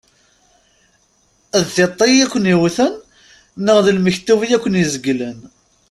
D tiṭ iken-yewten neɣ d lmektub i aken-izeglen.